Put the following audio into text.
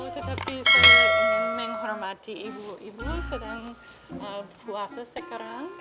tetapi saya memang menghormati ibu ibu sedang puasa sekarang